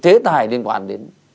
thế tài liên quan đến